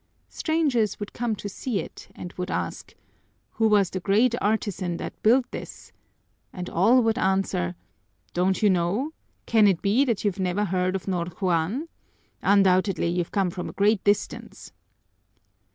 Strangers would come to see it and would ask, "Who was the great artisan that built this?" and all would answer, "Don't you know? Can it be that you've never heard of Ñor Juan? Undoubtedly you've come from a great distance!"